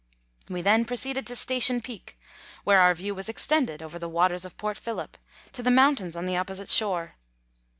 We then proceeded to Station Peak, where our view was extended over the waters of Port Phillip, to the mountains on the opposite shore.